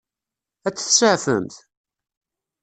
Ad t-tseɛfemt?